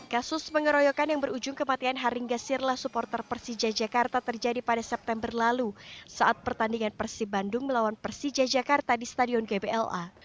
kasus pengeroyokan yang berujung kematian haringa sirla supporter persija jakarta terjadi pada september lalu saat pertandingan persib bandung melawan persija jakarta di stadion gbla